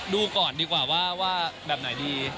ดูก่อนดีกว่าว่าแบบไหนดี